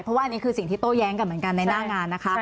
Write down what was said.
เพราะว่าอันนี้คือสิ่งที่โต้แย้งกันเหมือนกันในหน้างานนะคะ